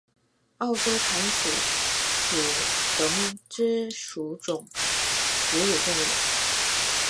澳洲弹鼠属等之数种哺乳动物。